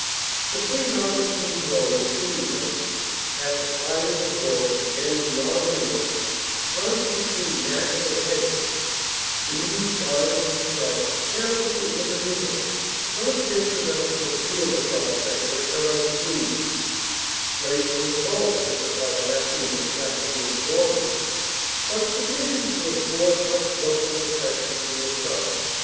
The St. Augustine road, at any rate, after climbing the hill and getting beyond the wood, runs between natural hedges, trees, vines, and shrubs carelessly intermingled, not dense enough to conceal the prospect or shut out the breeze ("straight from the Gulf," as the Tallahassean is careful to inform you), but sufficient to afford much welcome protection from the sun.